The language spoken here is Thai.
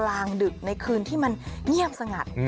กลางดึกในคืนที่มันเงียบสงัด